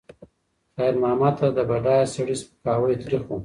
خیر محمد ته د بډایه سړي سپکاوی تریخ و.